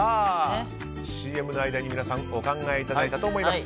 ＣＭの間に皆さんお考えいただいたと思います。